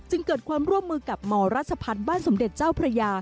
เกิดความร่วมมือกับหมอรัชพัฒน์บ้านสมเด็จเจ้าพระยา